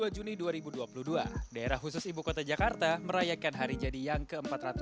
dua puluh juni dua ribu dua puluh dua daerah khusus ibu kota jakarta merayakan hari jadi yang ke empat ratus sembilan puluh